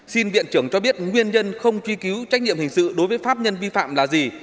xin viện trưởng cho biết nguyên nhân không truy cứu trách nhiệm hình sự đối với pháp nhân vi phạm là gì